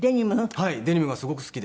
デニムがすごく好きで。